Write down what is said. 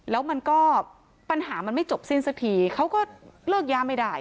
แล้วมันก็ปัญหามันไม่จบสิ้นสักทีเขาก็เลิกยาไม่ได้